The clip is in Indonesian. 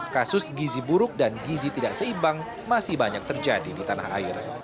kasus gizi buruk dan gizi tidak seimbang masih banyak terjadi di tanah air